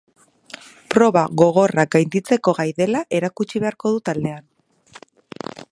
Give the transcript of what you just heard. Proba gogorrak gainditzeko gai dela erakutsi beharko du taldean.